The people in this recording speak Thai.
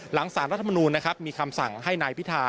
หลังศาลรัฐมนูลมีคำสั่งให้นายพิธา